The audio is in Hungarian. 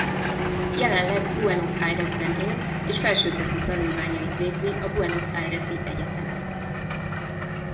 Jelenleg Buenos Airesben él és felsőfokú tanulmányait végzi a Buenos Aires-i Egyetemen.